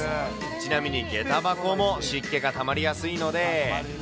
ちなみにげた箱も湿気がたまりやすいので。